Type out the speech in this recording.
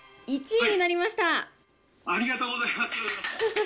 ありがとうございます。